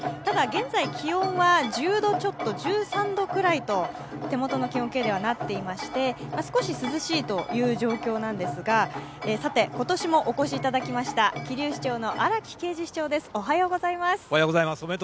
気温は現在１０度ちょっと１３度ぐらいと、手元の気温計ではなっていまして少し涼しいという状況なんですが、今年もお越しいただきました桐生市長の荒木恵司市長です。